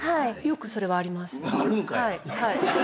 あるんかい！